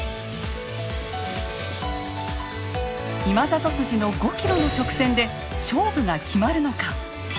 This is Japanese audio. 今里筋の５ｋｍの直線で勝負が決まるのか？